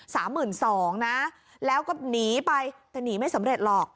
สามหมื่นสองนะแล้วก็หนีไปแต่หนีไม่สำเร็จหรอก